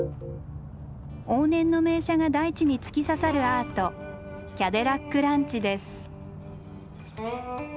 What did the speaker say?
往年の名車が大地に突き刺さるアート「キャデラックランチ」です。